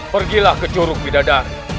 pergilah ke curug bidadari